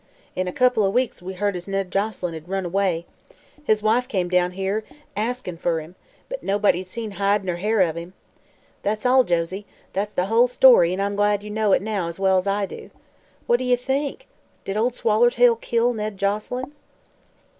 In a couple o' weeks we heard as Ned Joselyn had run away. His wife come down here askin' fer him, but nobody'd seen hide ner hair of him. That's all, Josie; that's the whole story, an' I'm glad you know it now as well as I do. Wha' d'ye think? Did Ol' Swallertail kill Ned Joselyn?"